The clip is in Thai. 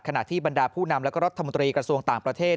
ขณะที่บรรดาผู้นำและรัฐมนตรีกระทรวงต่างประเทศ